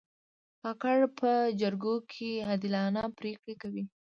کاکړ په جرګو کې عادلانه پرېکړې کوي.